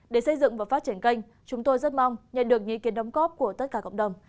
để xây dựng và phát triển kênh chúng tôi rất mong nhận được ý kiến đóng góp của tất cả cộng đồng